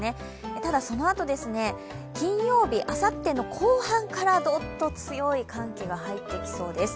ただ、そのあと、金曜日、あさっての後半からドッと強い寒気が入ってきそうです。